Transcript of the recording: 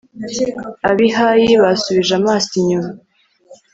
ab'i hayi basubije amaso inyuma